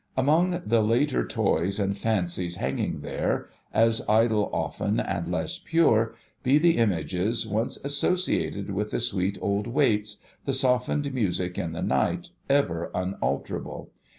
Among the later toys and fancies hanging there— as idle often and less pure — be the images once associated with the sweet old Waits, the softened music in the night, ever unalterable